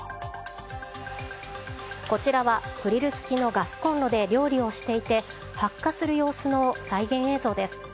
こちらは、グリル付きのガスコンロで料理をしていて発火する様子の再現映像です。